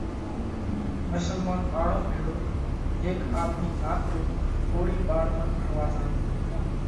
مشلمونَ ٻاۯون ڀيۯو هيڪ آپڻِي نات رو ڪوۯِي ٻاۯ پڻ ڀڻوا زاتو۔